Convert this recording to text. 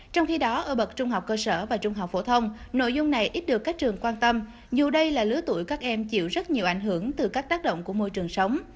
trong khi đó ở bậc trung học cơ sở và trung học phổ thông nội dung này ít được các trường quan tâm dù đây là lứa tuổi các em chịu rất nhiều ảnh hưởng từ các tác động của môi trường sống